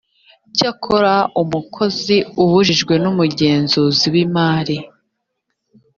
cyakora umukozi ubajijwe n’umugenzuzi w’imari